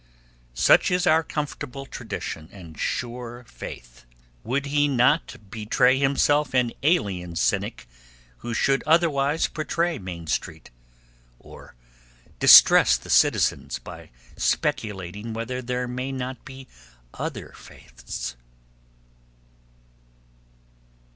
Such is our comfortable tradition and sure faith. Would he not betray himself an alien cynic who should otherwise portray Main Street, or distress the citizens by speculating whether there may not be other faiths?